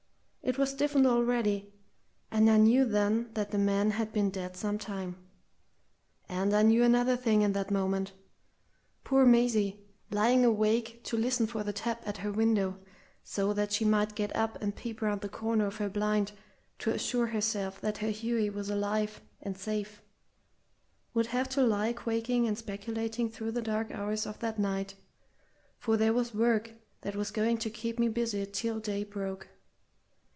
It was stiffened already, and I knew then that the man had been dead some time. And I knew another thing in that moment: poor Maisie, lying awake to listen for the tap at her window, so that she might get up and peep round the corner of her blind to assure herself that her Hughie was alive and safe, would have to lie quaking and speculating through the dark hours of that night, for here was work that was going to keep me busied till day broke.